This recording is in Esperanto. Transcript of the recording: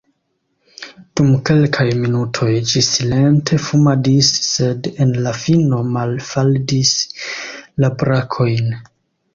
Dum kelkaj minutoj ĝi silente fumadis, sed en la fino malfaldis la brakojn.